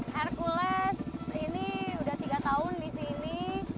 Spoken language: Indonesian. hercules ini udah tiga tahun di sini